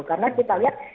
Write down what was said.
karena kita lihat